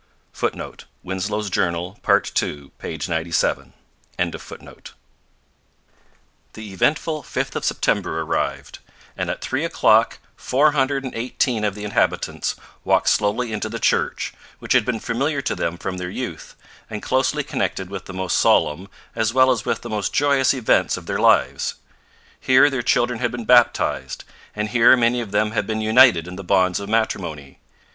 [Footnote: Winslow's Journal, part ii, p. 97.] The eventful 5th of September arrived, and at three o'clock four hundred and eighteen of the inhabitants walked slowly into the church, which had been familiar to them from their youth, and closely connected with the most solemn as well as with the most joyous events of their lives. Here their children had been baptized, and here many of them had been united in the bonds of matrimony.